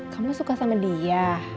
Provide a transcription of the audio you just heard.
kamu suka sama dia